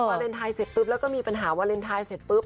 วาเลนไทยเสร็จปุ๊บแล้วก็มีปัญหาวาเลนไทยเสร็จปุ๊บ